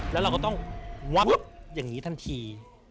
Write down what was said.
แล้วเราก็ต้องวับอย่างนี้ทันที